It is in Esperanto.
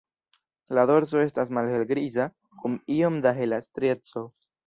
La dorso estas malhelgriza kun iom da hela strieco.